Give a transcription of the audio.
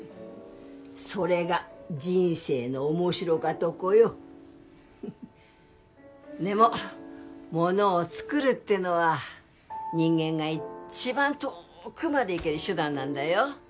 それが人生の面白かとこよでもものをつくるってのは人間がいっちばん遠ーくまで行ける手段なんだよ